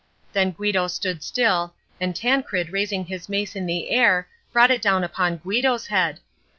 Then Guido stood still, and Tancred raising his mace in the air brought it down upon Guido's head.